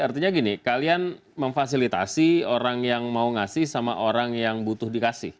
artinya gini kalian memfasilitasi orang yang mau ngasih sama orang yang butuh dikasih